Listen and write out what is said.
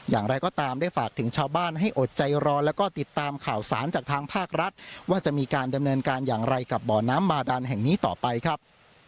อย่างไรก็ตามได้ฝากถึงชาวบ้านให้อดใจรอแล้วก็ติดตามข่าวสารจากทางภาครัฐว่าจะมีการดำเนินการอย่างไรกับบ่อน้ำบาดานแห่งนี้ต่อไปครับ